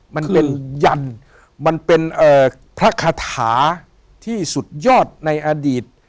มันเป็นยันมันเป็นพระคาถาที่สุดยอดในอดีต